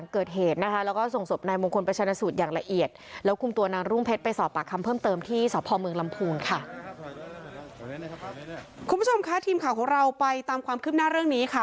คุณผู้ชมคะทีมข่าวของเราไปตามความคืบหน้าเรื่องนี้ค่ะ